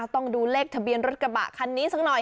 ต้องดูเลขทะเบียนรถกระบะคันนี้สักหน่อย